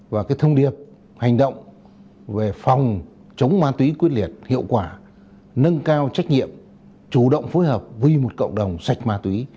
và cái thông điệp hành động về phòng chống ma túy quyết liệt hiệu quả nâng cao trách nhiệm chủ động phối hợp vì một cộng đồng sạch ma túy